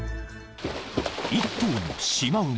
［１頭のシマウマ］